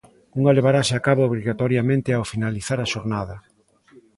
Unha levarase a cabo obrigatoriamente ao finalizar a xornada.